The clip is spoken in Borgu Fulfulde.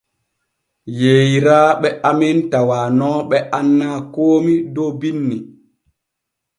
Yeyraaɓe amen tawanooɓe annaa koomi dow binni.